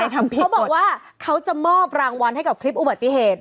เขาบอกว่าเขาจะมอบรางวัลให้กับคลิปอุบัติเหตุ